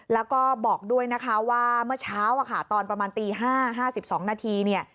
แล้วก็บอกด้วยว่าเมื่อเช้าตอนประมาณตี๕๕๒นาที